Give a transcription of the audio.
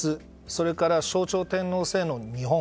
それから象徴天皇制の日本。